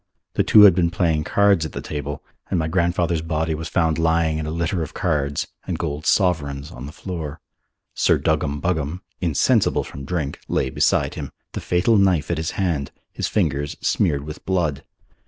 The two had been playing cards at the table and my grandfather's body was found lying in a litter of cards and gold sovereigns on the floor. Sir Duggam Buggam, insensible from drink, lay beside him, the fatal knife at his hand, his fingers smeared with blood.